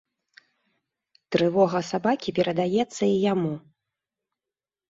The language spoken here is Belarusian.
Трывога сабакі перадаецца і яму.